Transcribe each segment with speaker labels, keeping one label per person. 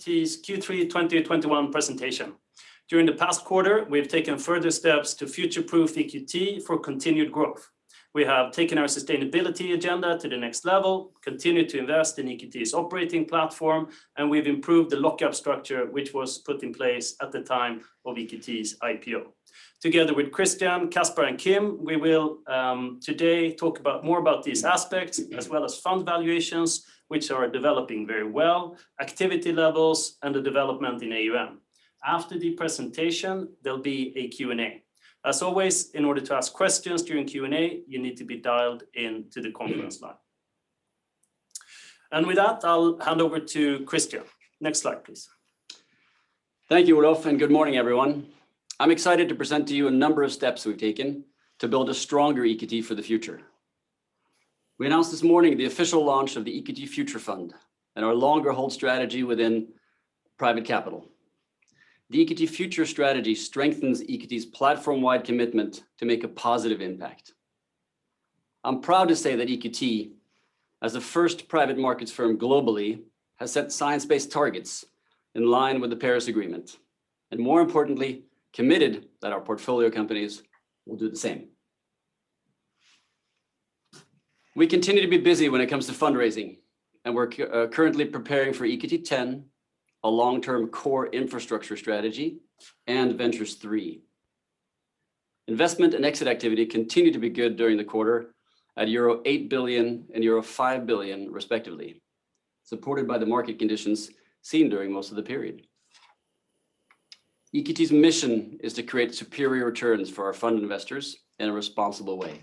Speaker 1: EQT's Q3 2021 presentation. During the past quarter, we have taken further steps to future-proof EQT for continued growth. We have taken our sustainability agenda to the next level, continued to invest in EQT's operating platform, and we've improved the lockup structure, which was put in place at the time of EQT's IPO. Together with Christian, Caspar, and Kim, we will today talk more about these aspects, as well as fund valuations, which are developing very well, activity levels, and the development in AUM. After the presentation, there'll be a Q&A. As always, in order to ask questions during Q&A, you need to be dialed into the conference line. With that, I'll hand over to Christian. Next slide, please.
Speaker 2: Thank you, Olof, and good morning, everyone. I'm excited to present to you a number of steps we've taken to build a stronger EQT for the future. We announced this morning the official launch of the EQT Future Fund and our longer hold strategy within private capital. The EQT Future strategy strengthens EQT's platform-wide commitment to make a positive impact. I'm proud to say that EQT, as the first private markets firm globally, has set science-based targets in line with the Paris Agreement, and more importantly, committed that our portfolio companies will do the same. We continue to be busy when it comes to fundraising, and we're currently preparing for EQT X, a long-term core infrastructure strategy, and EQT Ventures III. Investment and exit activity continued to be good during the quarter at euro 8 billion and euro 5 billion respectively, supported by the market conditions seen during most of the period. EQT's mission is to create superior returns for our fund investors in a responsible way.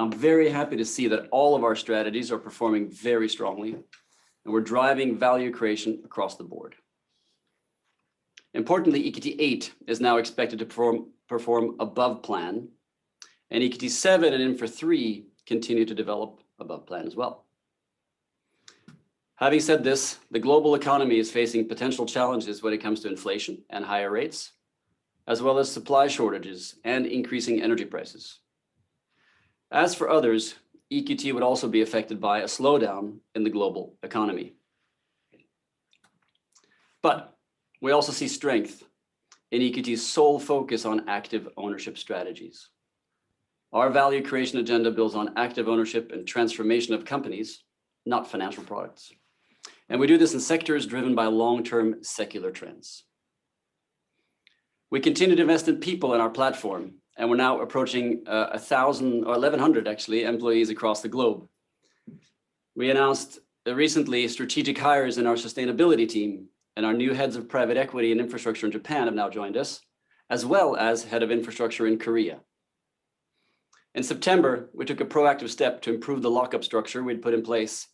Speaker 2: I'm very happy to see that all of our strategies are performing very strongly, and we're driving value creation across the board. Importantly, EQT VIII is now expected to perform above plan, and EQT VII and Infra III continue to develop above plan as well. Having said this, the global economy is facing potential challenges when it comes to inflation and higher rates, as well as supply shortages and increasing energy prices. As for others, EQT would also be affected by a slowdown in the global economy. We also see strength in EQT's sole focus on active ownership strategies. Our value creation agenda builds on active ownership and transformation of companies, not financial products. We do this in sectors driven by long-term secular trends. We continue to invest in people in our platform, and we're now approaching 1,000, or 1,100 actually, employees across the globe. We announced recently strategic hires in our sustainability team and our new heads of private equity and infrastructure in Japan have now joined us, as well as head of infrastructure in Korea. In September, we took a proactive step to improve the lockup structure we'd put in place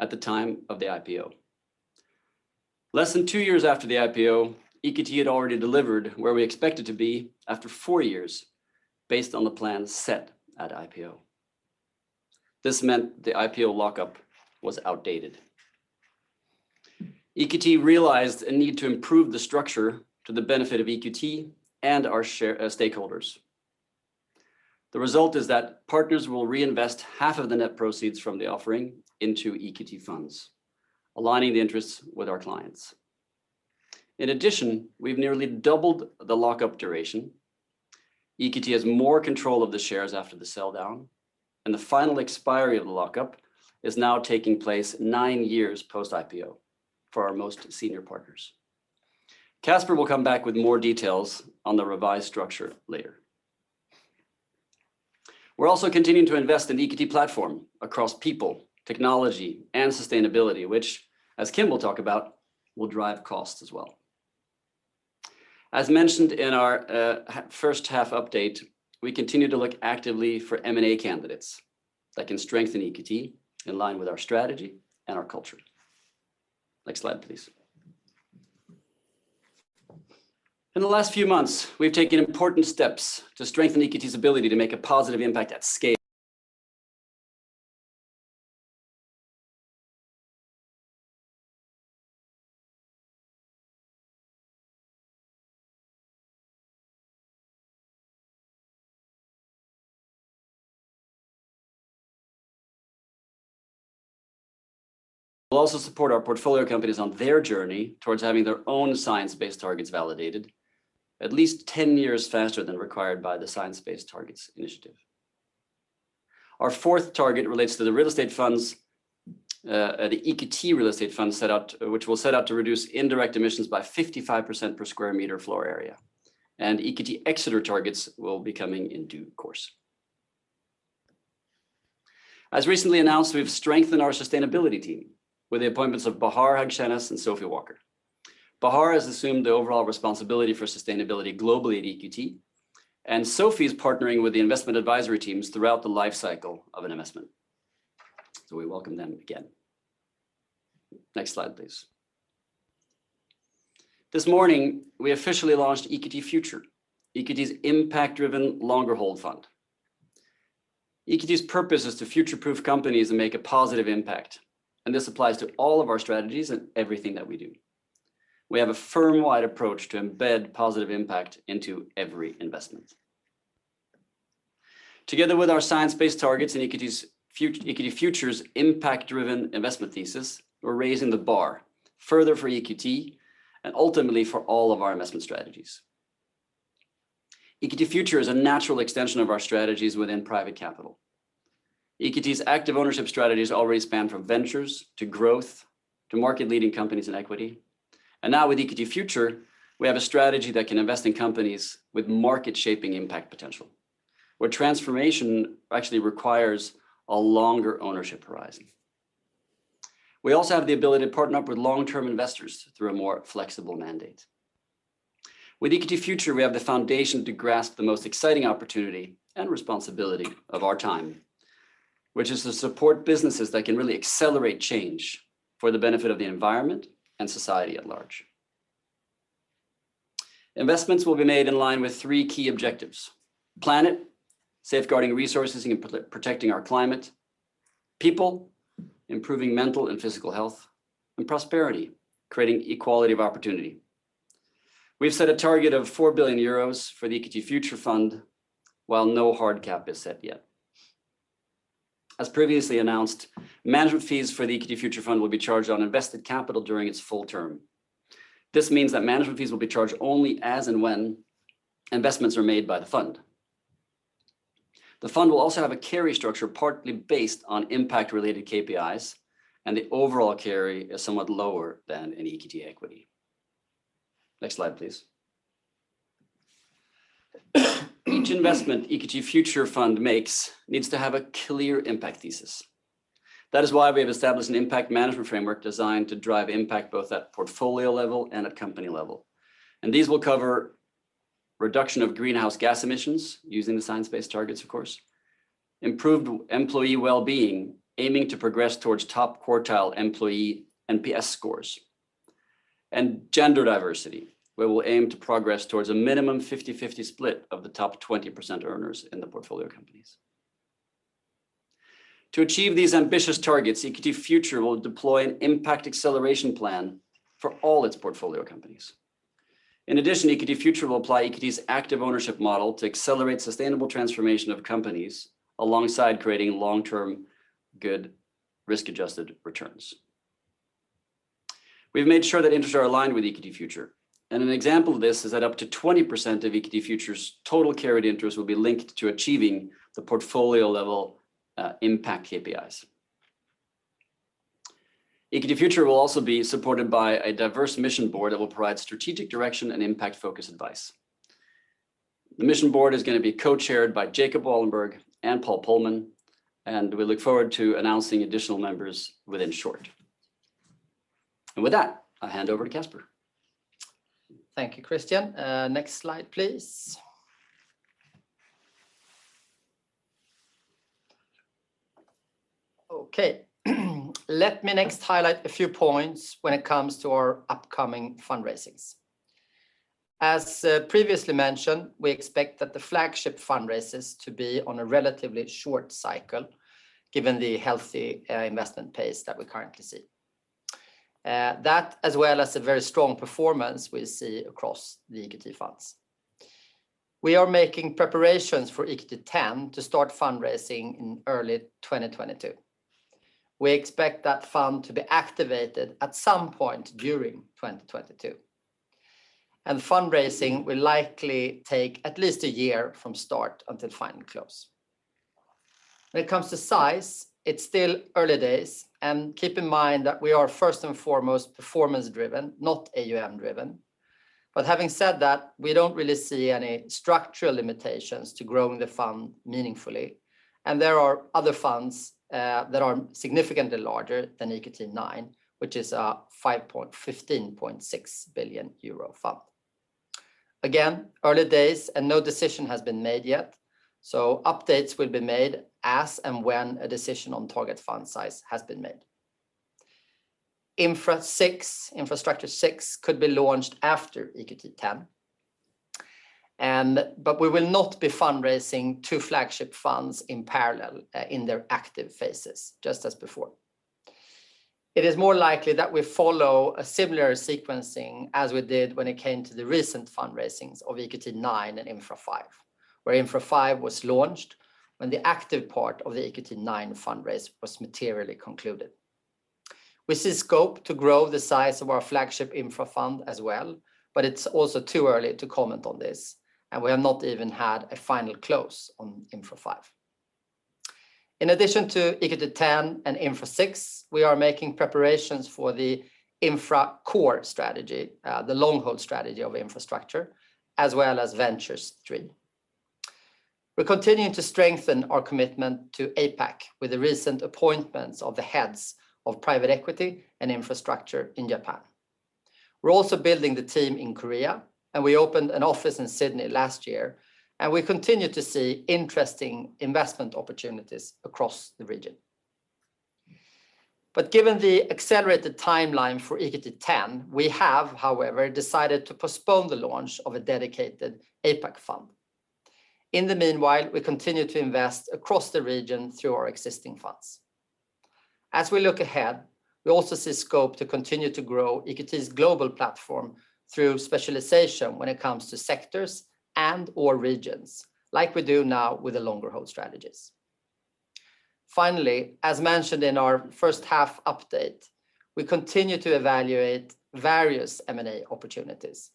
Speaker 2: at the time of the IPO. Less than two years after the IPO, EQT had already delivered where we expected to be after four years based on the plan set at IPO. This meant the IPO lockup was outdated. EQT realized a need to improve the structure to the benefit of EQT and our stakeholders. The result is that partners will reinvest half of the net proceeds from the offering into EQT funds, aligning the interests with our clients. In addition, we've nearly doubled the lockup duration. EQT has more control of the shares after the sell-down, and the final expiry of the lockup is now taking place nine years post-IPO for our most senior partners. Caspar will come back with more details on the revised structure later. We're also continuing to invest in EQT platform across people, technology and sustainability, which, as Kim will talk about, will drive costs as well. As mentioned in our first half update, we continue to look actively for M&A candidates that can strengthen EQT in line with our strategy and our culture. Next slide, please. In the last few months, we've taken important steps to strengthen EQT's ability to make a positive impact at scale. We'll also support our portfolio companies on their journey towards having their own science-based targets validated at least 10 years faster than required by the Science Based Targets initiative. Our fourth target relates to the EQT real estate fund which will set out to reduce indirect emissions by 55% per square meter floor area, and EQT Exeter targets will be coming in due course. As recently announced, we've strengthened our sustainability team with the appointments of Bahare Haghshenas and Sophie Walker. Bahare has assumed the overall responsibility for sustainability globally at EQT, and Sophie is partnering with the investment advisory teams throughout the life cycle of an investment. We welcome them again. Next slide, please. This morning, we officially launched EQT Future, EQT's impact-driven longer hold fund. EQT's purpose is to future-proof companies and make a positive impact, this applies to all of our strategies and everything that we do. We have a firm-wide approach to embed positive impact into every investment. Together with our science-based targets and EQT Future's impact-driven investment thesis, we're raising the bar further for EQT and ultimately for all of our investment strategies. EQT Future is a natural extension of our strategies within private capital. EQT's active ownership strategies already span from ventures to growth to market-leading companies in equity. Now with EQT Future, we have a strategy that can invest in companies with market-shaping impact potential, where transformation actually requires a longer ownership horizon. We also have the ability to partner up with long-term investors through a more flexible mandate. With EQT Future, we have the foundation to grasp the most exciting opportunity and responsibility of our time, which is to support businesses that can really accelerate change for the benefit of the environment and society at large. Investments will be made in line with three key objectives, planet, safeguarding resources, and protecting our climate, people, improving mental and physical health, and prosperity, creating equality of opportunity. We've set a target of 4 billion euros for the EQT Future fund, while no hard cap is set yet. As previously announced, management fees for the EQT Future fund will be charged on invested capital during its full term. This means that management fees will be charged only as and when investments are made by the fund. The fund will also have a carry structure partly based on impact-related KPIs, and the overall carry is somewhat lower than in EQT Equity. Next slide, please. Each investment EQT Future fund makes needs to have a clear impact thesis. That is why we have established an impact management framework designed to drive impact both at portfolio level and at company level. These will cover reduction of greenhouse gas emissions using the science-based targets, of course, improved employee wellbeing, aiming to progress towards top quartile employee NPS scores, and gender diversity, where we'll aim to progress towards a minimum 50/50 split of the top 20% earners in the portfolio companies. To achieve these ambitious targets, EQT Future will deploy an impact acceleration plan for all its portfolio companies. In addition, EQT Future will apply EQT's active ownership model to accelerate sustainable transformation of companies alongside creating long-term good risk-adjusted returns. We've made sure that interests are aligned with EQT Future, and an example of this is that up to 20% of EQT Future's total carried interest will be linked to achieving the portfolio level impact KPIs. EQT Future will also be supported by a diverse mission board that will provide strategic direction and impact focus advice. The mission board is going to be co-chaired by Jacob Wallenberg and Paul Polman, and we look forward to announcing additional members within short. With that, I'll hand over to Caspar.
Speaker 3: Thank you, Christian. Next slide, please. Okay. Let me next highlight a few points when it comes to our upcoming fundraisings. As previously mentioned, we expect that the flagship fundraise is to be on a relatively short cycle given the healthy investment pace that we currently see. That, as well as the very strong performance we see across the EQT funds. We are making preparations for EQT X to start fundraising in early 2022. We expect that fund to be activated at some point during 2022, and fundraising will likely take at least a year from start until final close. When it comes to size, it is still early days and keep in mind that we are first and foremost performance-driven, not AUM-driven. Having said that, we don't really see any structural limitations to growing the fund meaningfully, and there are other funds that are significantly larger than EQT IX, which is a €15.6 billion fund. Early days and no decision has been made yet, so updates will be made as and when a decision on target fund size has been made. Infrastructure VI could be launched after EQT X, we will not be fundraising two flagship funds in parallel in their active phases, just as before. It is more likely that we follow a similar sequencing as we did when it came to the recent fundraisings of EQT IX and Infra V, where Infra V was launched when the active part of the EQT IX fundraise was materially concluded. We see scope to grow the size of our flagship Infra fund as well. It's also too early to comment on this. We have not even had a final close on Infra V. In addition to EQT X and Infra VI, we are making preparations for the Infra core strategy, the long-hold strategy of infrastructure, as well as Ventures III. We are continuing to strengthen our commitment to APAC with the recent appointments of the heads of private equity and infrastructure in Japan. We are also building the team in Korea. We opened an office in Sydney last year. We continue to see interesting investment opportunities across the region. Given the accelerated timeline for EQT X, we have, however, decided to postpone the launch of a dedicated APAC fund. In the meanwhile, we continue to invest across the region through our existing funds. As we look ahead, we also see scope to continue to grow EQT's global platform through specialization when it comes to sectors and/or regions, like we do now with the longer hold strategies. Finally, as mentioned in our first half update, we continue to evaluate various M&A opportunities,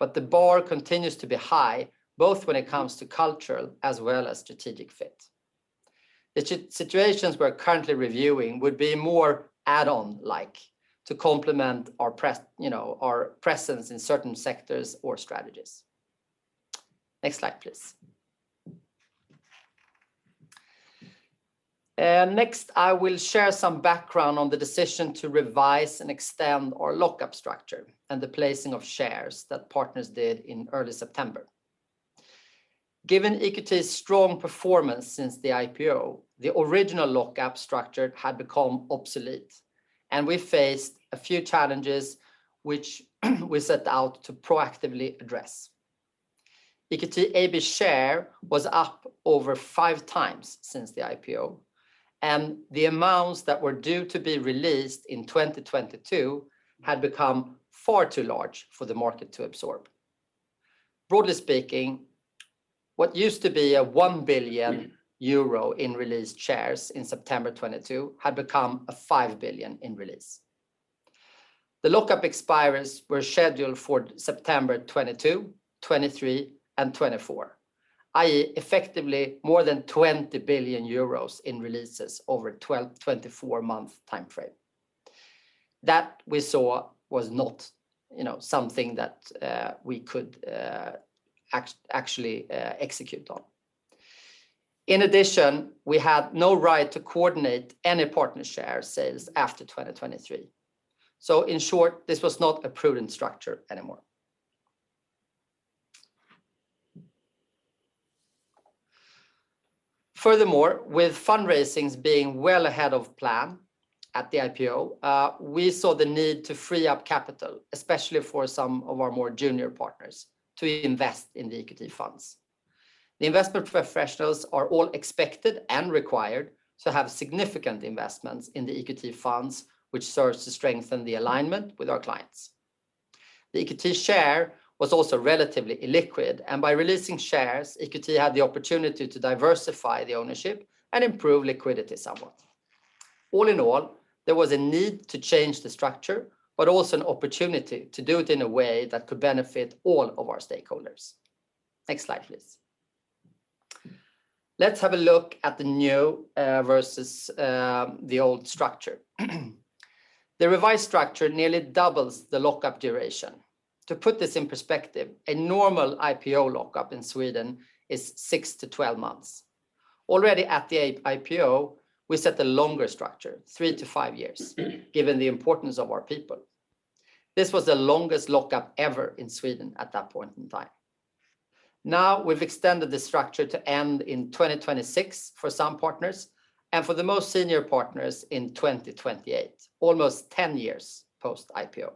Speaker 3: but the bar continues to be high both when it comes to cultural as well as strategic fit. The situations we're currently reviewing would be more add-on like to complement our presence in certain sectors or strategies. Next slide, please. Next, I will share some background on the decision to revise and extend our lock-up structure and the placing of shares that partners did in early September. Given EQT's strong performance since the IPO, the original lock-up structure had become obsolete, and we faced a few challenges which we set out to proactively address. EQT AB share was up over 5x since the IPO, and the amounts that were due to be released in 2022 had become far too large for the market to absorb. Broadly speaking, what used to be a 1 billion euro in released shares in September 2022 had become a 5 billion in release. The lock-up expires were scheduled for September 2022, 2023, and 2024, i.e., effectively more than 20 billion euros in releases over 24-month timeframe. That we saw was not something that we could actually execute on. In addition, we had no right to coordinate any partner share sales after 2023. In short, this was not a prudent structure anymore. Furthermore, with fundraisings being well ahead of plan at the IPO, we saw the need to free up capital, especially for some of our more junior partners to invest in the EQT funds. The investment professionals are all expected and required to have significant investments in the EQT funds, which serves to strengthen the alignment with our clients. The EQT share was also relatively illiquid, and by releasing shares, EQT had the opportunity to diversify the ownership and improve liquidity somewhat. All in all, there was a need to change the structure, but also an opportunity to do it in a way that could benefit all of our stakeholders. Next slide, please. Let's have a look at the new versus the old structure. The revised structure nearly doubles the lock-up duration. To put this in perspective, a normal IPO lock-up in Sweden is six-12 months. Already at the IPO, we set a longer structure, three-five years, given the importance of our people. This was the longest lock-up ever in Sweden at that point in time. Now we've extended the structure to end in 2026 for some partners and for the most senior partners in 2028, almost 10 years post IPO.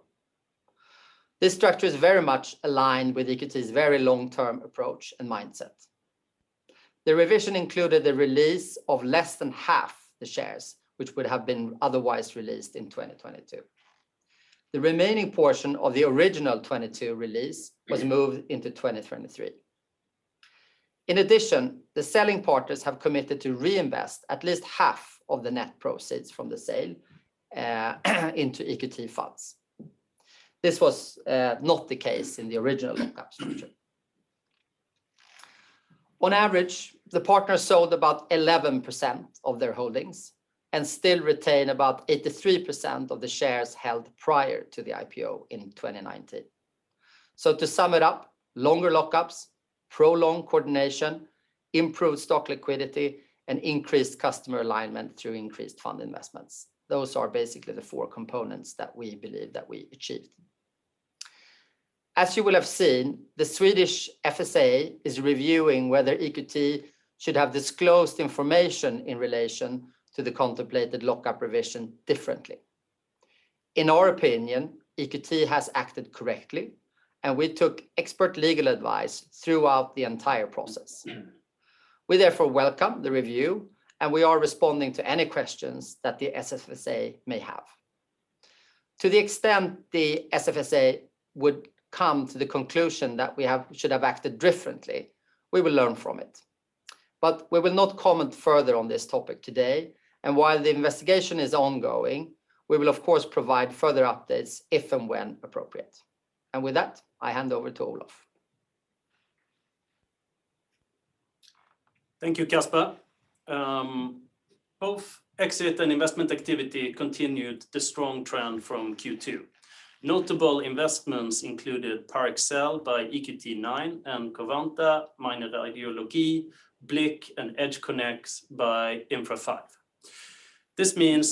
Speaker 3: This structure is very much aligned with EQT's very long-term approach and mindset. The revision included the release of less than half the shares, which would have been otherwise released in 2022. The remaining portion of the original 2022 release was moved into 2023. In addition, the selling partners have committed to reinvest at least half of the net proceeds from the sale into EQT funds. This was not the case in the original lock-up structure. On average, the partners sold about 11% of their holdings and still retain about 83% of the shares held prior to the IPO in 2019. To sum it up, longer lock-ups, prolonged coordination, improved stock liquidity, and increased customer alignment through increased fund investments. Those are basically the four components that we believe that we achieved. As you will have seen, the Swedish SFSA is reviewing whether EQT should have disclosed information in relation to the contemplated lock-up provision differently. In our opinion, EQT has acted correctly, and we took expert legal advice throughout the entire process. We therefore welcome the review, and we are responding to any questions that the SFSA may have. To the extent the SFSA would come to the conclusion that we should have acted differently, we will learn from it. We will not comment further on this topic today, and while the investigation is ongoing, we will of course provide further updates if and when appropriate. With that, I hand over to Olof.
Speaker 1: Thank you, Caspar. Both exit and investment activity continued the strong trend from Q2. Notable investments included Parexel by EQT IX and Covanta, Meine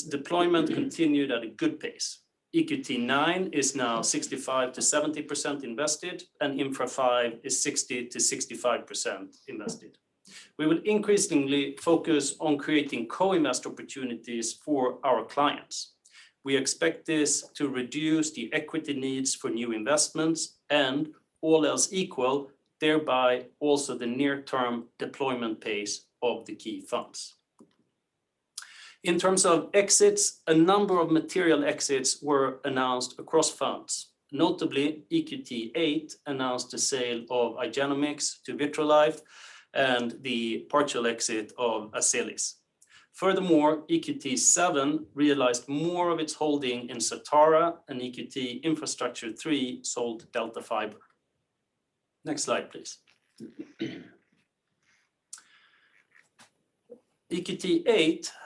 Speaker 1: EQT VIII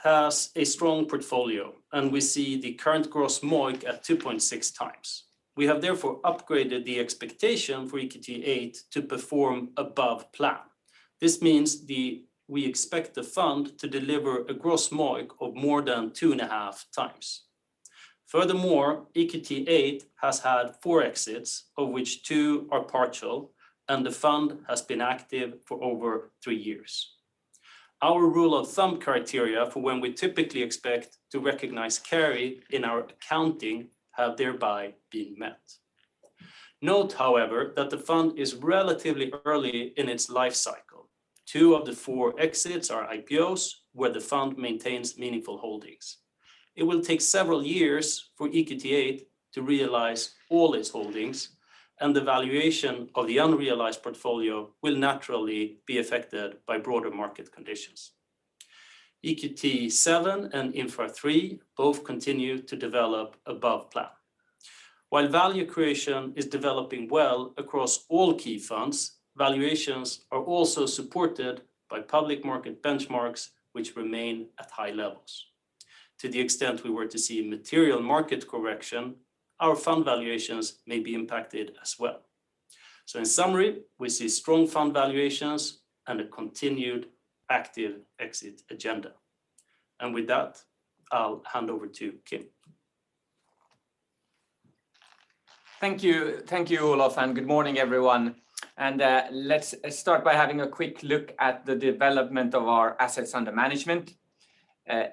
Speaker 1: has a strong portfolio, we see the current gross MOIC at 2.6x. We have therefore upgraded the expectation for EQT VIII to perform above plan. This means we expect the fund to deliver a gross MOIC of more than 2.5x. EQT VIII has had four exits, of which two are partial, and the fund has been active for over three years. Our rule of thumb criteria for when we typically expect to recognize carry in our accounting have thereby been met. Note, however, that the fund is relatively early in its life cycle. Two of the four exits are IPOs, where the fund maintains meaningful holdings. It will take several years for EQT VIII to realize all its holdings, and the valuation of the unrealized portfolio will naturally be affected by broader market conditions. EQT VII and Infra III both continue to develop above plan. While value creation is developing well across all key funds, valuations are also supported by public market benchmarks which remain at high levels. To the extent we were to see material market correction, our fund valuations may be impacted as well. In summary, we see strong fund valuations and a continued active exit agenda. With that, I'll hand over to Kim.
Speaker 4: Thank you, Olof, and good morning, everyone. Let's start by having a quick look at the development of our assets under management.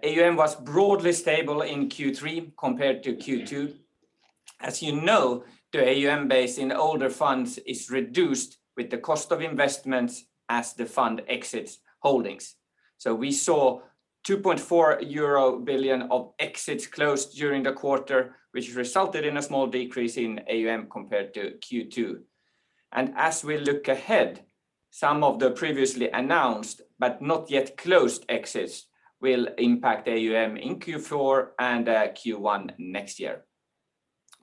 Speaker 4: AUM was broadly stable in Q3 compared to Q2. As you know, the AUM base in older funds is reduced with the cost of investments as the fund exits holdings. We saw 2.4 billion euro of exits closed during the quarter, which resulted in a small decrease in AUM compared to Q2. As we look ahead, some of the previously announced, but not yet closed exits will impact AUM in Q4 and Q1 next year.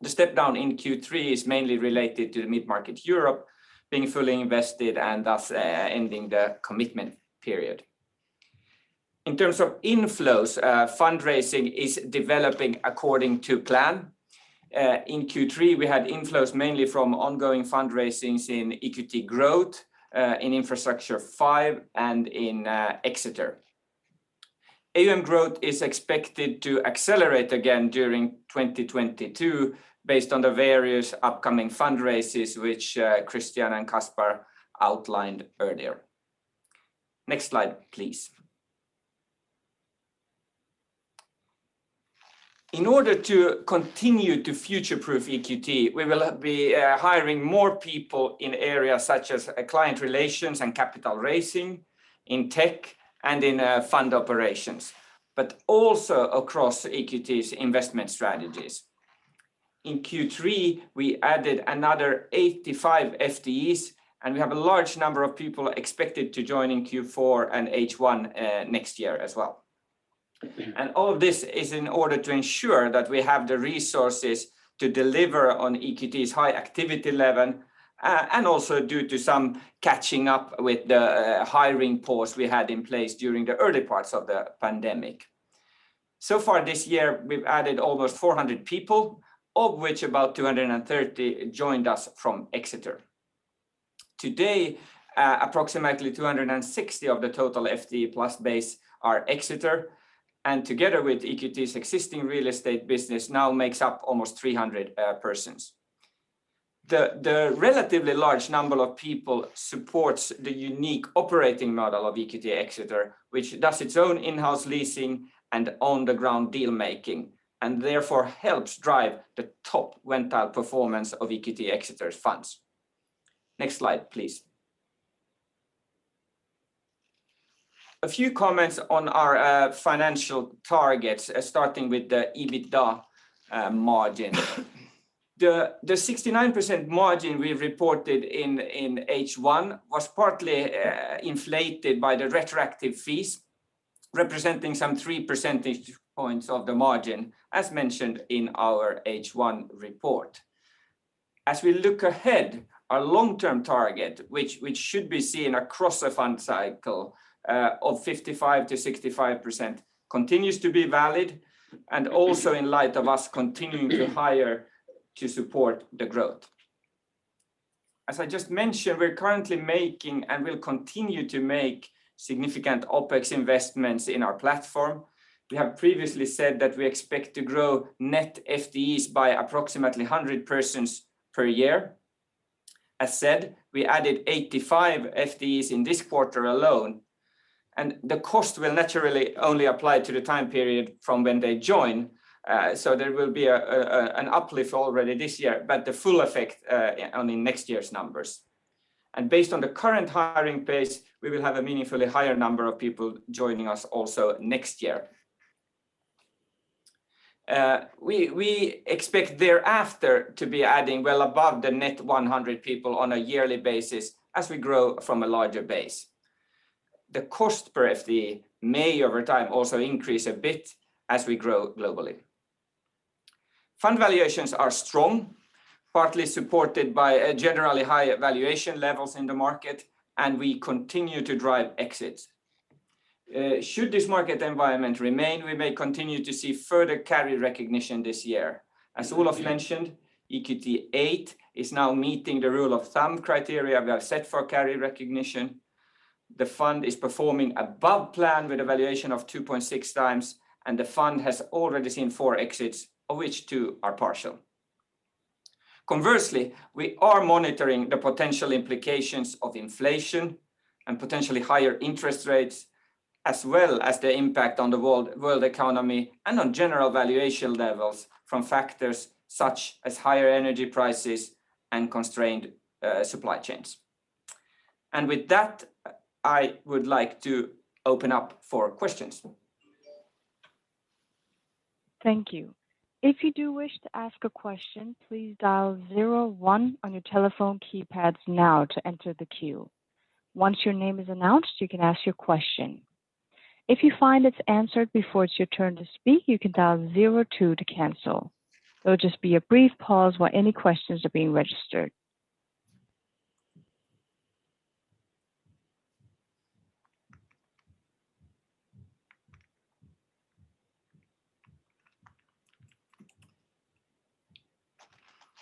Speaker 4: The step down in Q3 is mainly related to the Mid Market Europe being fully invested and thus ending the commitment period. In terms of inflows, fundraising is developing according to plan. In Q3, we had inflows mainly from ongoing fundraisings in EQT Growth, in Infrastructure V, and in Exeter. AUM growth is expected to accelerate again during 2022 based on the various upcoming fundraises which Christian and Caspar outlined earlier. Next slide, please. In order to continue to future-proof EQT, we will be hiring more people in areas such as client relations and capital raising, in tech and in fund operations, but also across EQT's investment strategies. In Q3, we added another 85 FTEs, and we have a large number of people expected to join in Q4 and H1 next year as well. All of this is in order to ensure that we have the resources to deliver on EQT's high activity level, and also due to some catching up with the hiring pause we had in place during the early parts of the pandemic. So far this year, we've added over 400 people, of which about 230 joined us from Exeter. Today, approximately 260 of the total FTE plus base are Exeter, and together with EQT's existing real estate business now makes up almost 300 persons. The relatively large number of people supports the unique operating model of EQT Exeter, which does its own in-house leasing and on the ground deal making, and therefore helps drive the top rental performance of EQT Exeter funds. Next slide, please. A few comments on our financial targets, starting with the EBITDA margin. The 69% margin we reported in H1 was partly inflated by the retroactive fees, representing some 3 percentage points of the margin, as mentioned in our H1 report. As we look ahead, our long-term target, which should be seen across a fund cycle of 55%-65%, continues to be valid, and also in light of us continuing to hire to support the growth. As I just mentioned, we're currently making and will continue to make significant OpEx investments in our platform. We have previously said that we expect to grow net FTEs by approximately 100 persons per year. As said, we added 85 FTEs in this quarter alone, and the cost will naturally only apply to the time period from when they join. There will be an uplift already this year, but the full effect on next year's numbers. Based on the current hiring pace, we will have a meaningfully higher number of people joining us also next year. We expect thereafter to be adding well above the net 100 people on a yearly basis as we grow from a larger base. The cost per FTE may, over time, also increase a bit as we grow globally. Fund valuations are strong, partly supported by generally high valuation levels in the market, and we continue to drive exits. Should this market environment remain, we may continue to see further carry recognition this year. As Olof mentioned, EQT VIII is now meeting the rule of thumb criteria we have set for carry recognition. The fund is performing above plan with a valuation of 2.6x, and the fund has already seen four exits, of which two are partial. Conversely, we are monitoring the potential implications of inflation and potentially higher interest rates, as well as the impact on the world economy and on general valuation levels from factors such as higher energy prices and constrained supply chains. With that, I would like to open up for questions.
Speaker 5: Thank you. If you do wish to ask a question, please dial zero one on your telephone keypads now to enter the queue. Once your name is announced, you can ask your question. If you find it's answered before it's your turn to speak, you can dial zero two to cancel. There'll just be a brief pause while any questions are being registered.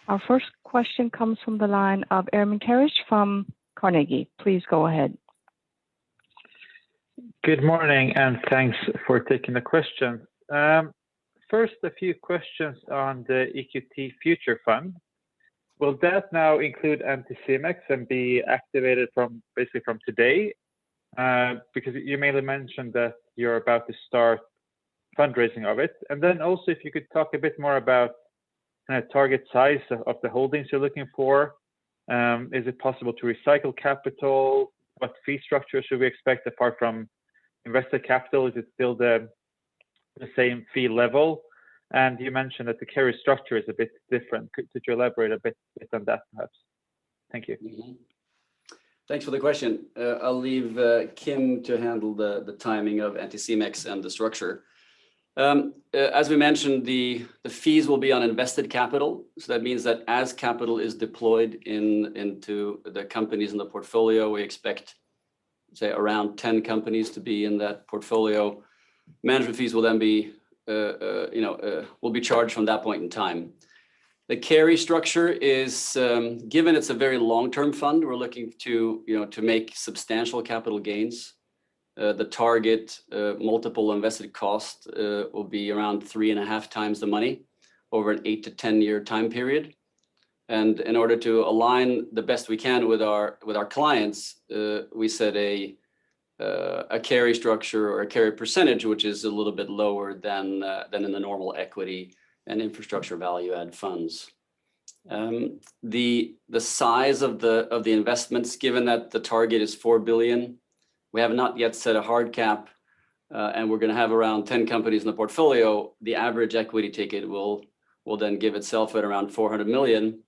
Speaker 5: Our first question comes from the line of Ermin Keric from Carnegie. Please go ahead.
Speaker 6: Good morning, thanks for taking the question. First, a few questions on the EQT Future Fund. Will that now include Anticimex and be activated basically from today? You mainly mentioned that you're about to start fundraising of it. Also, if you could talk a bit more about target size of the holdings you're looking for. Is it possible to recycle capital? What fee structure should we expect apart from invested capital? Is it still the same fee level? You mentioned that the carry structure is a bit different. Could you elaborate a bit on that, perhaps? Thank you.
Speaker 2: Thanks for the question. I'll leave Kim to handle the timing of Anticimex and the structure. As we mentioned, the fees will be on invested capital. That means that as capital is deployed into the companies in the portfolio, we expect, say, around 10 companies to be in that portfolio. Management fees will be charged from that point in time. The carry structure is, given it's a very long-term fund, we're looking to make substantial capital gains. The target multiple invested cost will be around 3.5x the money over an eight-10-year time period. In order to align the best we can with our clients, we set a carry structure or a carry percentage, which is a little bit lower than in the normal equity and infrastructure value add funds. The size of the investments, given that the target is 4 billion, we have not yet set a hard cap. We're going to have around 10 companies in the portfolio. The average equity ticket will then give itself at around 400 million.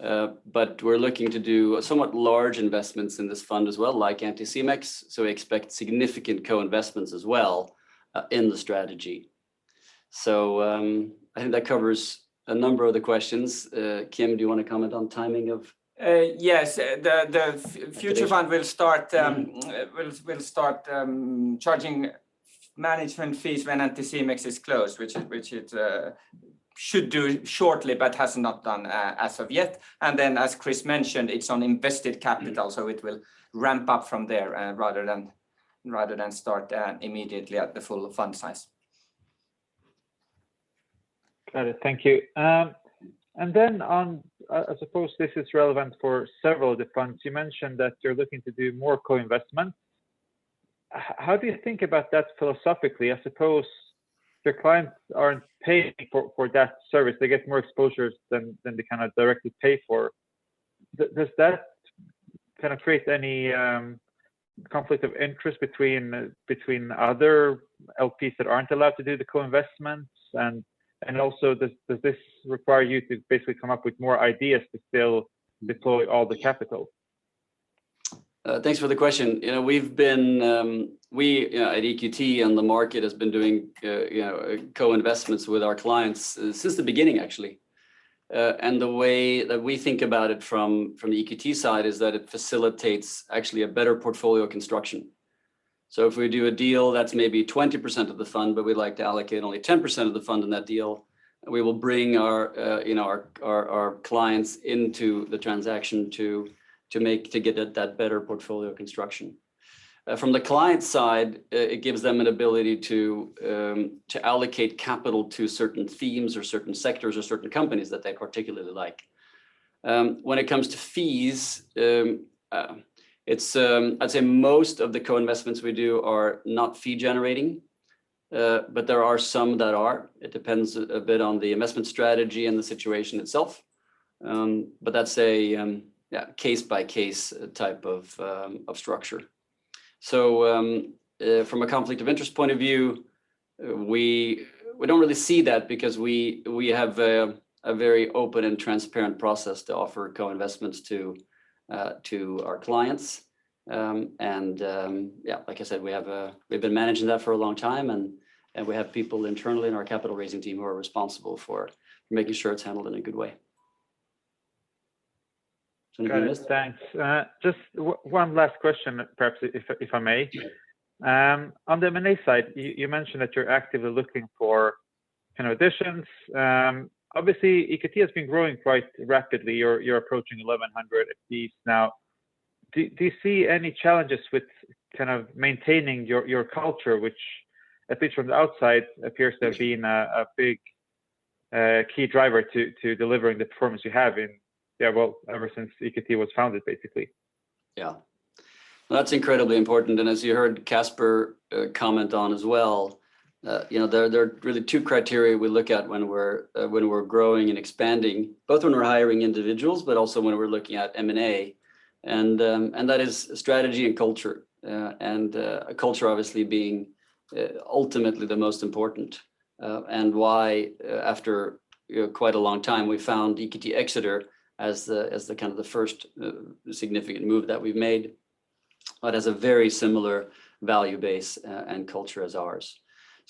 Speaker 2: We're looking to do somewhat large investments in this fund as well, like Anticimex. We expect significant co-investments as well in the strategy. I think that covers a number of the questions. Kim, do you want to comment on timing of?
Speaker 4: Yes. The Future Fund will start charging management fees when Anticimex is closed, which it should do shortly, but has not done as of yet. As Chris mentioned, it's on invested capital, so it will ramp up from there rather than start immediately at the full fund size.
Speaker 6: Got it. Thank you. Then on, I suppose this is relevant for several of the funds, you mentioned that you're looking to do more co-investments. How do you think about that philosophically? I suppose your clients aren't paying for that service. They get more exposure than they directly pay for. Does that create any conflict of interest between other LPs that aren't allowed to do the co-investments? Also, does this require you to basically come up with more ideas to still deploy all the capital?
Speaker 2: Thanks for the question. We at EQT, the market has been doing co-investments with our clients since the beginning, actually. The way that we think about it from the EQT side is that it facilitates actually a better portfolio construction. If we do a deal, that's maybe 20% of the fund, but we'd like to allocate only 10% of the fund in that deal. We will bring our clients into the transaction to get at that better portfolio construction. From the client side, it gives them an ability to allocate capital to certain themes or certain sectors or certain companies that they particularly like. When it comes to fees, I'd say most of the co-investments we do are not fee-generating, but there are some that are. It depends a bit on the investment strategy and the situation itself. That's a case-by-case type of structure. From a conflict of interest point of view, we don't really see that because we have a very open and transparent process to offer co-investments to our clients. Yeah, like I said, we've been managing that for a long time, and we have people internally in our capital-raising team who are responsible for making sure it's handled in a good way. Anything to add?
Speaker 6: Guys, thanks. Just one last question, perhaps, if I may. On the M&A side, you mentioned that you're actively looking for additions. Obviously, EQT has been growing quite rapidly. You're approaching 1,100 employees now. Do you see any challenges with maintaining your culture, which, at least from the outside, appears to have been a big key driver to delivering the performance you have in, well, ever since EQT was founded, basically?
Speaker 2: Yeah. Well, that's incredibly important. As you heard Caspar comment on as well, there are really two criteria we look at when we're growing and expanding, both when we're hiring individuals, but also when we're looking at M&A, and that is strategy and culture. Culture obviously being ultimately the most important, and why, after quite a long time, we found EQT Exeter as the first significant move that we've made. Has a very similar value base and culture as ours.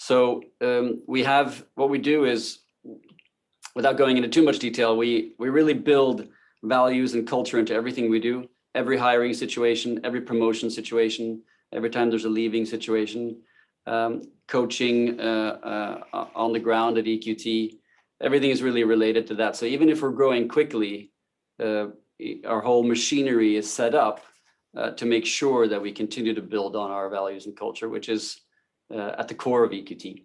Speaker 2: What we do is, without going into too much detail, we really build values and culture into everything we do. Every hiring situation, every promotion situation, every time there's a leaving situation, coaching on the ground at EQT, everything is really related to that. Even if we're growing quickly, our whole machinery is set up to make sure that we continue to build on our values and culture, which is at the core of EQT.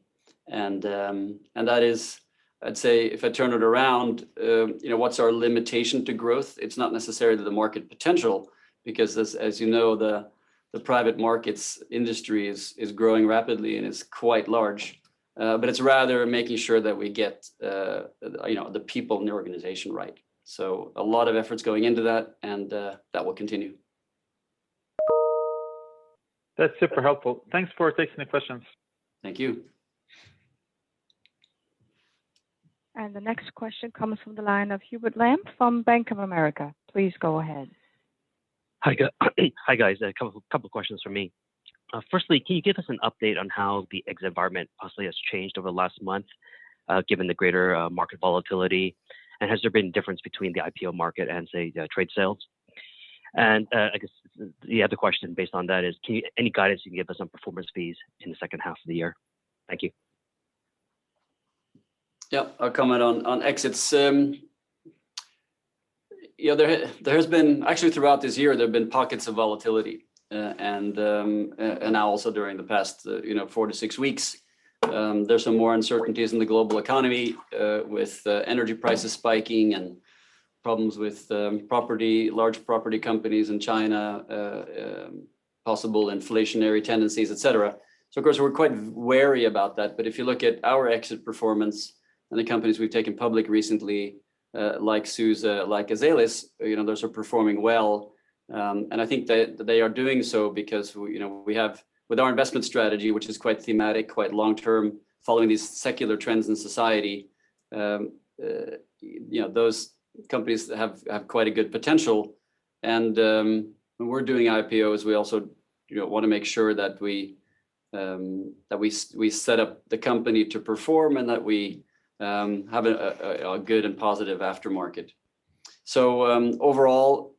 Speaker 2: That is, I'd say, if I turn it around, what's our limitation to growth? It's not necessarily the market potential because, as you know, the private markets industry is growing rapidly, and it's quite large. It's rather making sure that we get the people in the organization right. A lot of effort's going into that, and that will continue.
Speaker 6: That's super helpful. Thanks for taking the questions.
Speaker 2: Thank you.
Speaker 5: The next question comes from the line of Hubert Lam from Bank of America. Please go ahead.
Speaker 7: Hi. Hi, guys. A couple of questions from me. Firstly, can you give us an update on how the exit environment possibly has changed over the last month, given the greater market volatility? Has there been a difference between the IPO market and, say, trade sales? I guess the other question based on that is any guidance you can give us on performance fees in the second half of the year? Thank you.
Speaker 2: Yeah, I'll comment on exits. Actually, throughout this year, there have been pockets of volatility, and now also during the past four to six weeks, there's some more uncertainties in the global economy, with energy prices spiking and problems with large property companies in China, possible inflationary tendencies, et cetera. Of course, we're quite wary about that. If you look at our exit performance and the companies we've taken public recently, like SUSE, like Azelis, those are performing well. I think that they are doing so because with our investment strategy, which is quite thematic, quite long term, following these secular trends in society, those companies have quite a good potential. When we're doing IPOs, we also want to make sure that we set up the company to perform and that we have a good and positive aftermarket. Overall,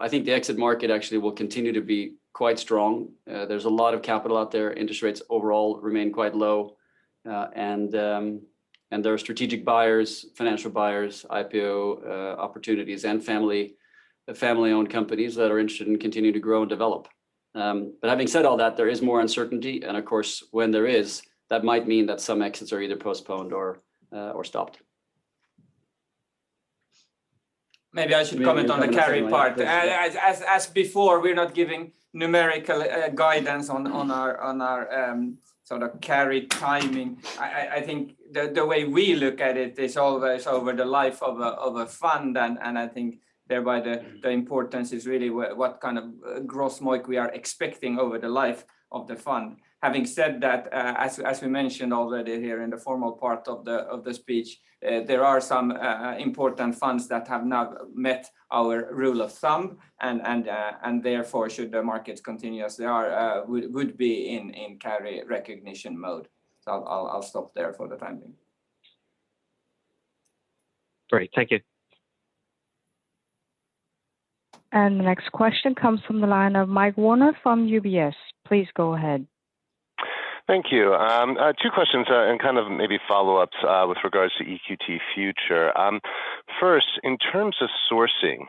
Speaker 2: I think the exit market actually will continue to be quite strong. There's a lot of capital out there. Interest rates overall remain quite low, and there are strategic buyers, financial buyers, IPO opportunities, and family-owned companies that are interested and continue to grow and develop. Having said all that, there is more uncertainty, and of course, when there is, that might mean that some exits are either postponed or stopped.
Speaker 4: Maybe I should comment on the carry part. As before, we're not giving numerical guidance on our carry timing. I think the way we look at it is always over the life of a fund, and I think thereby the importance is really what kind of gross MOIC we are expecting over the life of the fund. Having said that, as we mentioned already here in the formal part of the speech, there are some important funds that have now met our rule of thumb, and therefore, should the market continue as they are, would be in carry recognition mode. I'll stop there for the time being.
Speaker 7: Great. Thank you.
Speaker 5: The next question comes from the line of Mike Werner from UBS. Please go ahead
Speaker 8: Thank you. Two questions and kind of maybe follow-ups with regards to EQT Future. First, in terms of sourcing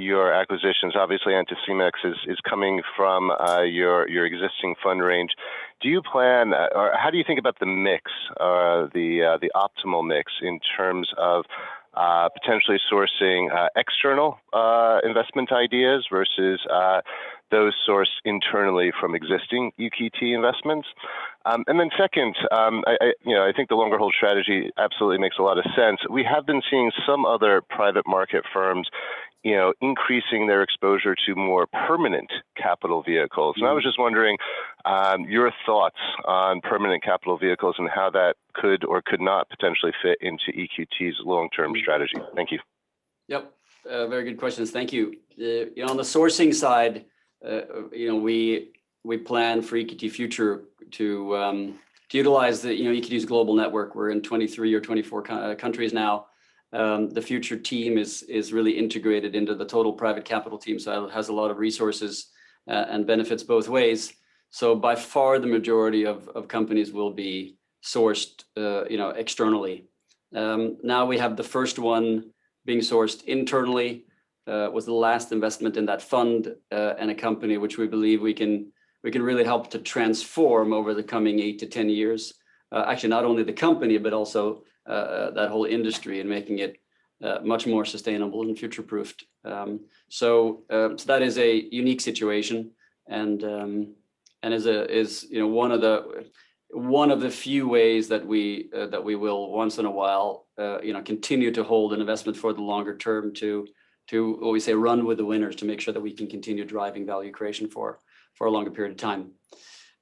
Speaker 8: your acquisitions, obviously Anticimex is coming from your existing fund range. How do you think about the optimal mix in terms of potentially sourcing external investment ideas versus those sourced internally from existing EQT investments? Then second, I think the longer hold strategy absolutely makes a lot of sense. We have been seeing some other private market firms increasing their exposure to more permanent capital vehicles. I was just wondering your thoughts on permanent capital vehicles and how that could or could not potentially fit into EQT's long-term strategy. Thank you.
Speaker 2: Yep. Very good questions, thank you. On the sourcing side, we plan for EQT Future to utilize EQT's global network. We're in 23 or 24 countries now. The Future team is really integrated into the total private capital team, so it has a lot of resources and benefits both ways. By far, the majority of companies will be sourced externally. Now we have the first one being sourced internally. It was the last investment in that fund, and a company which we believe we can really help to transform over the coming eight to 10 years. Actually, not only the company but also that whole industry and making it much more sustainable and future-proofed. That is a unique situation and is one of the few ways that we will, once in a while, continue to hold an investment for the longer term to, what we say, run with the winners to make sure that we can continue driving value creation for a longer period of time.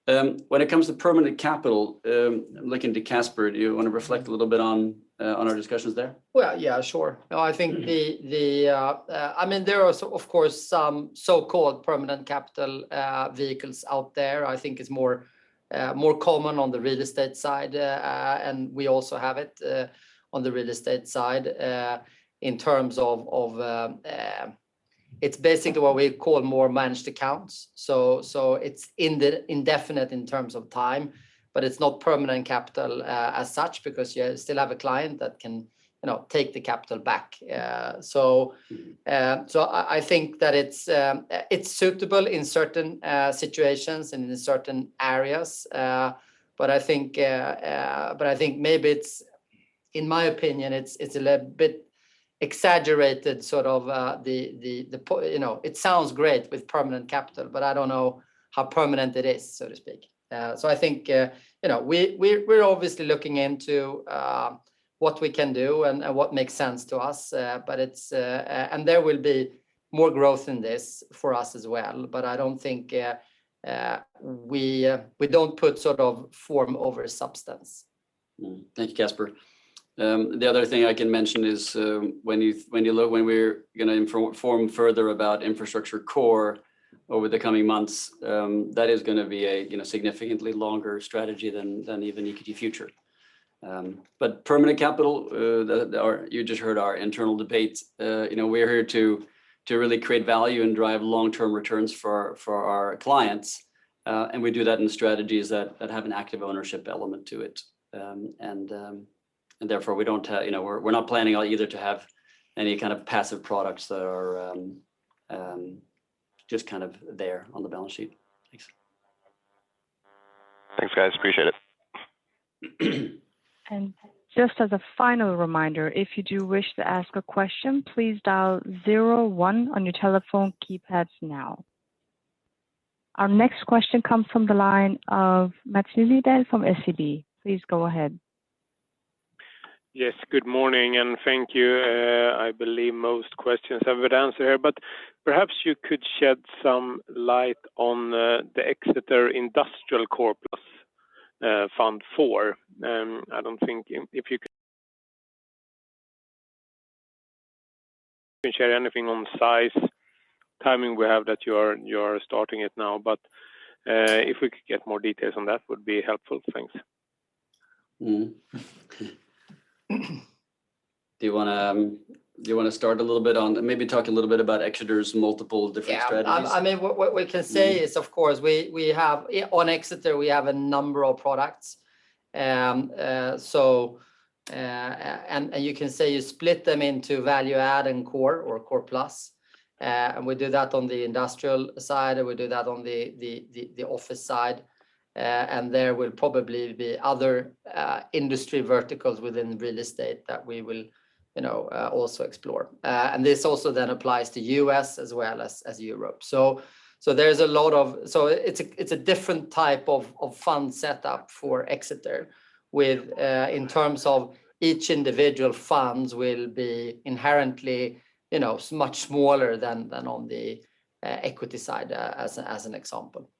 Speaker 2: When it comes to permanent capital, I'm looking to Caspar. Do you want to reflect a little bit on our discussions there?
Speaker 3: Well, yeah, sure. There are, of course, some so-called permanent capital vehicles out there. I think it's more common on the real estate side. We also have it on the real estate side in terms of it's basically what we call more managed accounts. It's indefinite in terms of time, but it's not permanent capital as such because you still have a client that can take the capital back. I think that it's suitable in certain situations and in certain areas. I think maybe, in my opinion, it's a little bit exaggerated. It sounds great with permanent capital, but I don't know how permanent it is, so to speak. I think we're obviously looking into what we can do and what makes sense to us. There will be more growth in this for us as well, but we don't put sort of form over substance.
Speaker 2: Thank you, Caspar. The other thing I can mention is when we're going to inform further about infrastructure core over the coming months, that is going to be a significantly longer strategy than even EQT Future. Permanent capital, you just heard our internal debates. We're here to really create value and drive long-term returns for our clients. We do that in strategies that have an active ownership element to it. Therefore, we're not planning either to have any kind of passive products that are just kind of there on the balance sheet. Thanks.
Speaker 8: Thanks, guys. Appreciate it.
Speaker 5: Just as a final reminder, if you do wish to ask a question, please dial zero one on your telephone keypads now. Our next question comes from the line of Maths Liljedahl from SEB. Please go ahead.
Speaker 9: Yes, good morning, and thank you. I believe most questions have been answered here, but perhaps you could shed some light on the Exeter Industrial Core-Plus Fund IV. If you can share anything on size, timing, we have that you are starting it now, but if we could get more details on that, would be helpful. Thanks.
Speaker 2: Do you want to start a little bit on maybe talking a little bit about Exeter's multiple different strategies?
Speaker 4: Yeah. What we can say is, of course, on Exeter, we have a number of products. You can say you split them into value add and core or core plus. We do that on the industrial side, and we do that on the office side. There will probably be other industry verticals within real estate that we will also explore. This also then applies to U.S. as well as Europe. It's a different type of fund set up for Exeter in terms of each individual fund will be inherently much smaller than on the equity side, as an example.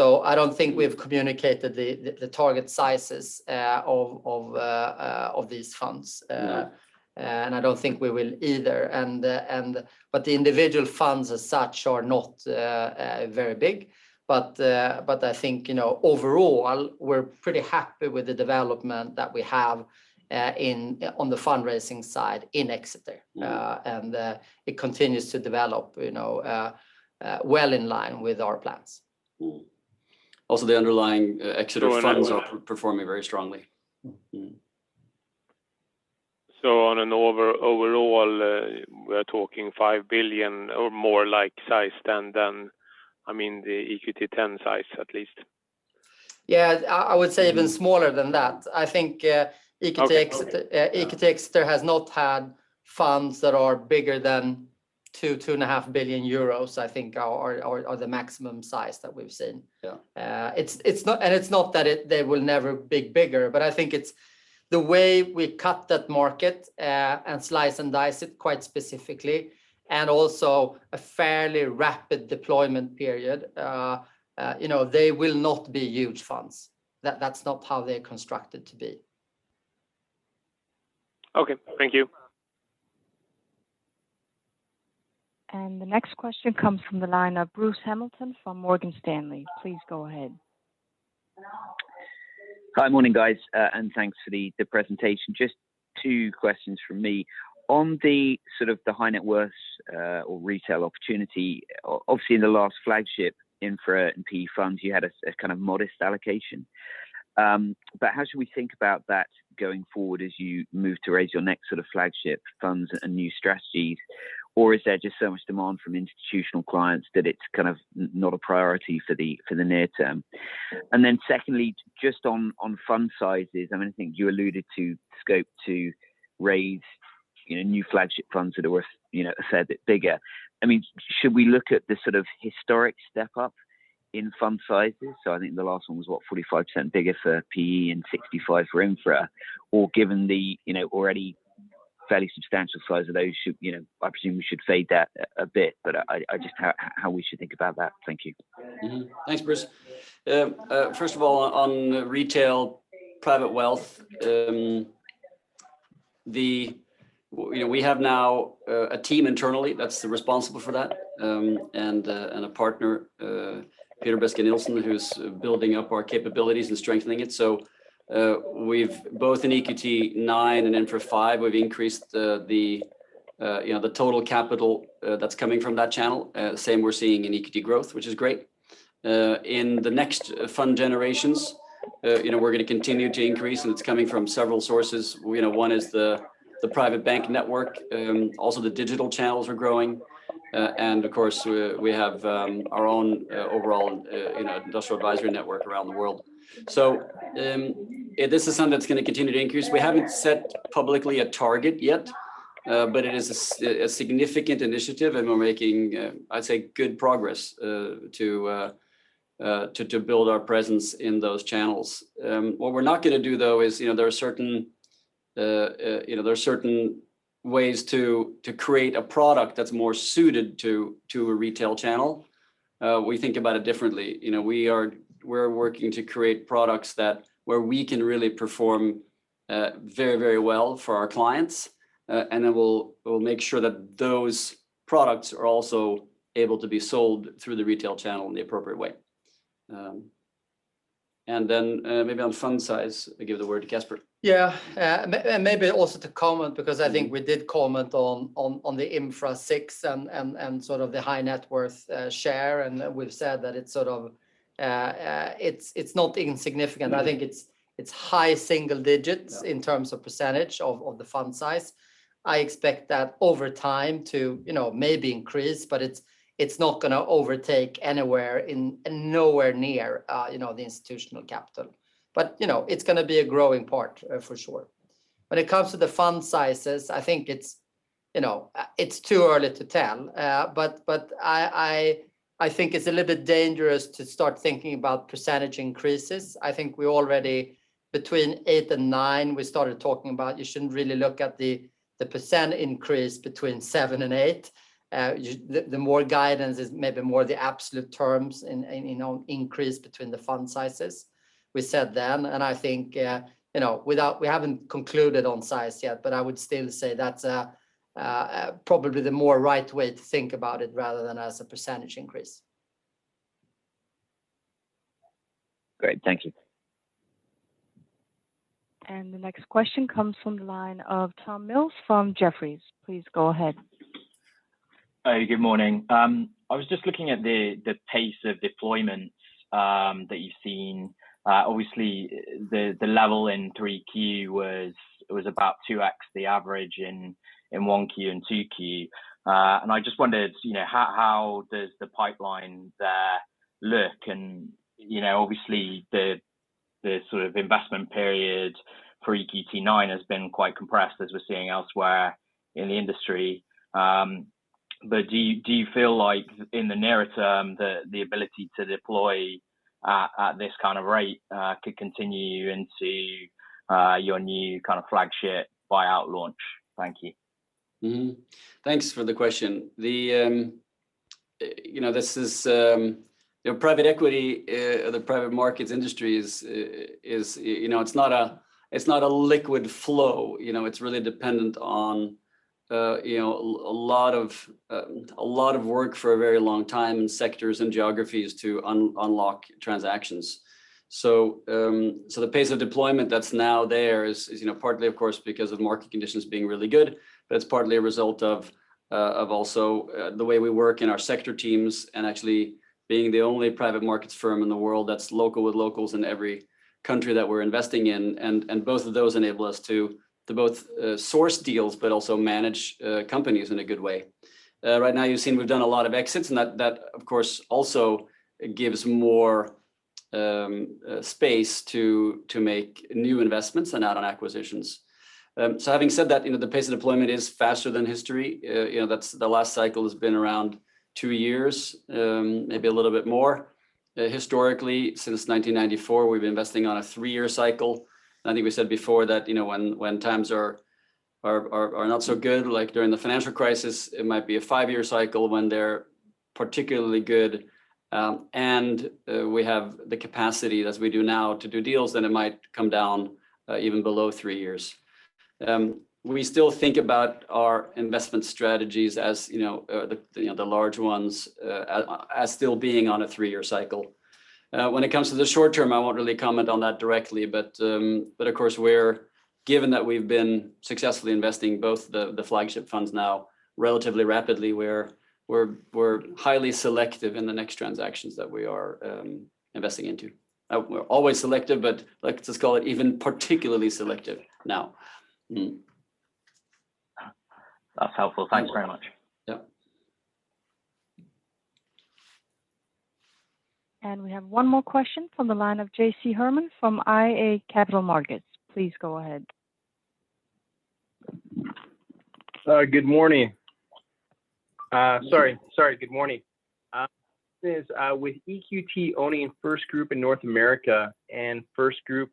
Speaker 4: I don't think we've communicated the target sizes of these funds. I don't think we will either. The individual funds as such are not very big. I think overall, we're pretty happy with the development that we have on the fundraising side in Exeter. It continues to develop well in line with our plans.
Speaker 2: The underlying Exeter funds are performing very strongly.
Speaker 9: On an overall, we are talking €5 billion or more size than the EQT X size at least?
Speaker 4: Yeah. I would say even smaller than that. I think EQT Exeter has not had funds that are bigger than 2 billion-2.5 billion euros, I think are the maximum size that we've seen.
Speaker 9: Yeah.
Speaker 4: It's not that they will never be bigger, but I think it's the way we cut that market, and slice and dice it quite specifically, and also a fairly rapid deployment period. They will not be huge funds. That's not how they're constructed to be.
Speaker 9: Okay. Thank you.
Speaker 5: The next question comes from the line of Bruce Hamilton from Morgan Stanley. Please go ahead.
Speaker 10: Hi. Morning, guys. Thanks for the presentation. Just two questions from me. On the sort of the high net worth or retail opportunity, obviously in the last flagship infra and PE funds, you had a kind of modest allocation. How should we think about that going forward as you move to raise your next flagship funds and new strategies? Is there just so much demand from institutional clients that it's kind of not a priority for the near term? Secondly, just on fund sizes, I think you alluded to scope to raise new flagship funds that are worth a fair bit bigger. Should we look at the sort of historic step-up in fund sizes? I think the last one was what, 45% bigger for PE and 65% for Infra, or given the already fairly substantial size of those, I presume we should fade that a bit, but just how we should think about that. Thank you.
Speaker 2: Thanks, Bruce. First of all, on retail private wealth, we have now a team internally that's responsible for that, and a partner, Peter Beske Nielsen, who's building up our capabilities and strengthening it. Both in EQT IX and Infra V, we've increased the total capital that's coming from that channel. The same we're seeing in EQT Growth, which is great. In the next fund generations, we're going to continue to increase, and it's coming from several sources. One is the private bank network. Also, the digital channels are growing. Of course, we have our own overall industrial advisory network around the world. This is something that's going to continue to increase. We haven't set publicly a target yet, but it is a significant initiative, and we're making, I'd say, good progress to build our presence in those channels. What we're not going to do, though, is there are certain ways to create a product that's more suited to a retail channel. We think about it differently. We're working to create products where we can really perform very well for our clients, and then we'll make sure that those products are also able to be sold through the retail channel in the appropriate way. Then maybe on fund size, I give the word to Caspar.
Speaker 3: Yeah. Maybe also to comment because I think we did comment on the Infra VI and sort of the high net worth share, and we've said that it's not insignificant. I think it's high single digits in terms of percentage of the fund size. I expect that over time to maybe increase, but it's not going to overtake anywhere near the institutional capital. It's going to be a growing part for sure. When it comes to the fund sizes, I think it's too early to tell, but I think it's a little bit dangerous to start thinking about percentage increases. I think we already between 8% and 9%, we started talking about you shouldn't really look at the percent increase between 7% and 8%. The more guidance is maybe more the absolute terms in increase between the fund sizes. We said then, I think we haven't concluded on size yet, I would still say that's probably the more right way to think about it rather than as a percentage increase.
Speaker 10: Great. Thank you.
Speaker 5: The next question comes from the line of Tom Mills from Jefferies. Please go ahead.
Speaker 11: Good morning. I was just looking at the pace of deployment that you've seen. Obviously, the level in 3Q was about 2x the average in 1Q and 2Q. I just wondered, how does the pipeline there look? Obviously, the sort of investment period for EQT IX has been quite compressed as we're seeing elsewhere in the industry. Do you feel like in the near term, the ability to deploy at this kind of rate could continue into your new kind of flagship buyout launch? Thank you.
Speaker 2: Thanks for the question. Private equity, the private markets industry it's not a liquid flow. It's really dependent on a lot of work for a very long time in sectors and geographies to unlock transactions. The pace of deployment that's now there is partly, of course, because of market conditions being really good, but it's partly a result of also the way we work in our sector teams, and actually being the only private markets firm in the world that's local with locals in every country that we're investing in. Both of those enable us to both source deals, but also manage companies in a good way. Right now, you've seen we've done a lot of exits, and that of course, also gives more space to make new investments and add-on acquisitions. Having said that, the pace of deployment is faster than history. The last cycle has been around two years, maybe a little bit more. Historically, since 1994, we've been investing on a three-year cycle. I think we said before that when times are not so good, like during the financial crisis, it might be a five-year cycle. When they're particularly good and we have the capacity, as we do now, to do deals, then it might come down even below three years. We still think about our investment strategies, the large ones, as still being on a three-year cycle. When it comes to the short term, I won't really comment on that directly, but of course, given that we've been successfully investing both the flagship funds now relatively rapidly, we're highly selective in the next transactions that we are investing into. We're always selective, but let's just call it even particularly selective now.
Speaker 11: That's helpful. Thanks very much.
Speaker 2: Yep.
Speaker 5: We have one more question from the line of JC Herman from iA Capital Markets. Please go ahead.
Speaker 12: Good morning. Sorry, good morning. With EQT owning FirstGroup in North America, and FirstGroup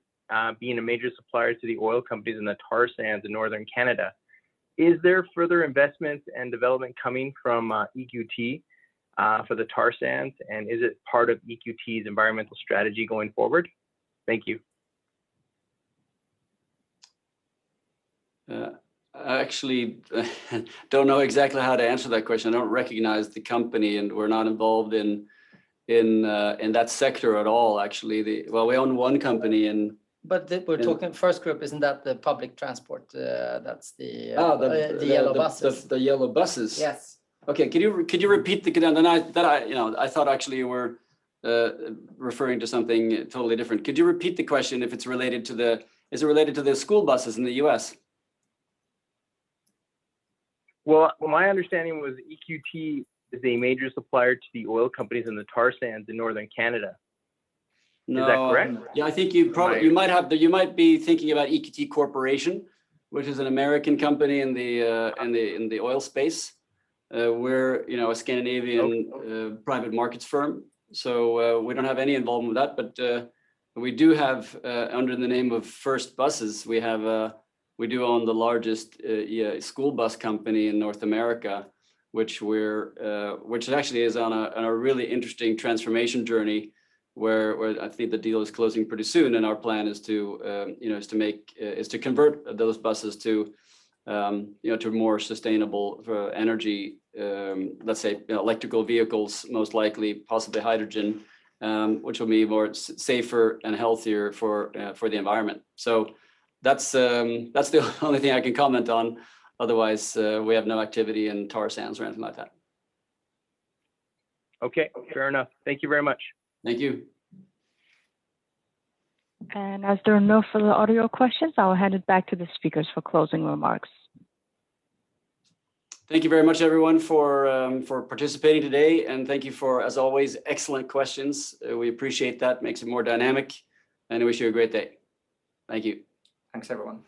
Speaker 12: being a major supplier to the oil companies in the tar sands in northern Canada, is there further investment and development coming from EQT for the tar sands, and is it part of EQT's environmental strategy going forward? Thank you.
Speaker 2: I actually don't know exactly how to answer that question. I don't recognize the company, and we're not involved in that sector at all, actually. Well, we own one company in-
Speaker 3: We're talking FirstGroup. Isn't that the public transport?
Speaker 2: Oh, the-
Speaker 3: The yellow buses
Speaker 2: the yellow buses.
Speaker 3: Yes.
Speaker 2: Okay. I thought actually you were referring to something totally different. Could you repeat the question if it's related to the school buses in the U.S.?
Speaker 12: Well, my understanding was EQT is a major supplier to the oil companies in the tar sands in northern Canada.
Speaker 2: No.
Speaker 12: Is that correct?
Speaker 2: Yeah, I think you might be thinking about EQT Corporation, which is an American company in the oil space. We're a Scandinavian private markets firm. We don't have any involvement with that. We do have, under the name of First Student, we do own the largest school bus company in North America, which actually is on a really interesting transformation journey, where I think the deal is closing pretty soon, and our plan is to convert those buses to more sustainable energy, let's say electrical vehicles, most likely, possibly hydrogen, which will be safer and healthier for the environment. That's the only thing I can comment on. Otherwise, we have no activity in tar sands or anything like that.
Speaker 12: Okay. Fair enough. Thank you very much.
Speaker 2: Thank you.
Speaker 5: As there are no further audio questions, I will hand it back to the speakers for closing remarks.
Speaker 2: Thank you very much, everyone, for participating today, and thank you for, as always, excellent questions. We appreciate that. Makes it more dynamic, and we wish you a great day. Thank you.
Speaker 3: Thanks, everyone.